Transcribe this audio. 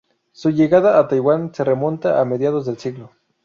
Su llegada a Taiwán se remonta a mediados del siglo.